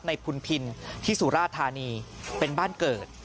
พุนพินที่สุราธานีเป็นบ้านเกิด